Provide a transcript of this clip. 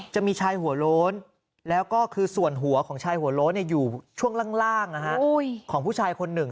จะมีชายหัวโล้นแล้วก็คือส่วนหัวของชายหัวโล้นอยู่ช่วงล่างของผู้ชายคนหนึ่ง